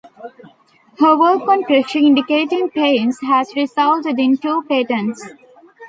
Her work on pressure indicating paints has resulted in two patents.